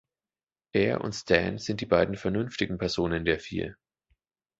Er und Stan sind die beiden vernünftigen Personen der Vier.